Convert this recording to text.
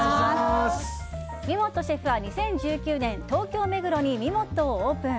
みもっとシェフは２０１９年東京・目黒にみもっとをオープン。